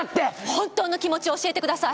本当の気持ちを教えてください。